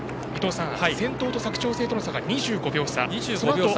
先頭と佐久長聖との差が２５秒差。